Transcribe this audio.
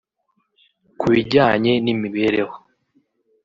Ku bijyanye n’imibereho